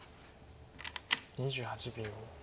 ２８秒。